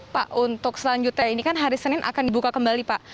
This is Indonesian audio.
pak untuk selanjutnya ini kan hari senin akan dibuka kembali pak